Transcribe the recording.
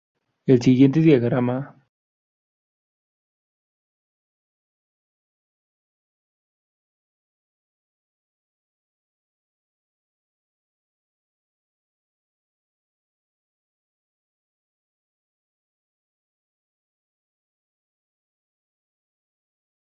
La forma más simple es el nudo común.